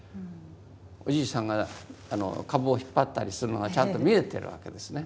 おじいさんがカブを引っ張ったりするのがちゃんと見えてるわけですね。